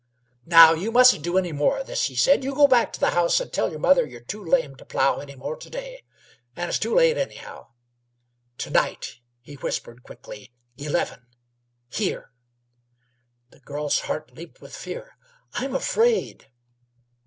"Now you mustn't do any more o' this," he said. "You go back to the house an' tell y'r mother you're too lame to plough any more to day, and it's gettin' late, anyhow. To night!" he whispered quickly. "Eleven! Here!" The girl's heart leaped with fear. "I'm afraid."